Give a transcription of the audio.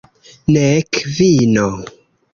Nek vino.